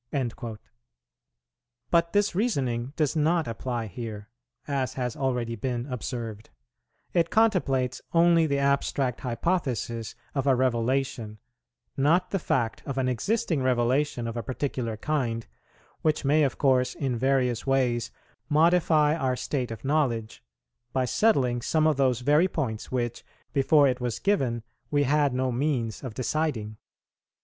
"[84:1] But this reasoning does not apply here, as has already been observed; it contemplates only the abstract hypothesis of a revelation, not the fact of an existing revelation of a particular kind, which may of course in various ways modify our state of knowledge, by settling some of those very points which, before it was given, we had no means of deciding.